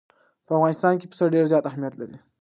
په افغانستان کې پسه ډېر زیات اهمیت لري.